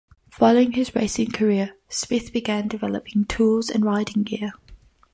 Following his racing career, Smith began developing tools and riding gear.